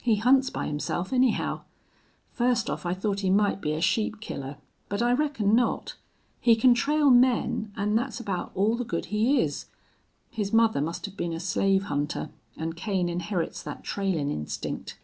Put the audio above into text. He hunts by himself, anyhow. First off I thought he might be a sheep killer. But I reckon not. He can trail men, an' that's about all the good he is. His mother must have been a slave hunter, an' Kane inherits that trailin' instinct."